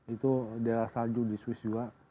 itu di asalju di swiss juga